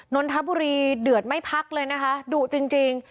นนทบุรีเดือดไม่พักเลยนะคะดุจริง